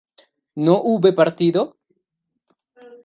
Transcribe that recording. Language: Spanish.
¿no hube partido?